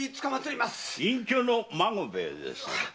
隠居の孫兵衛です。